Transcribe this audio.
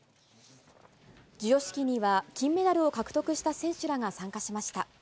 授与式には、金メダルを獲得した選手らが参加しました。